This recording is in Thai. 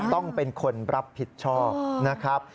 ต้องเป็นคนรับผิดชอบนะครับ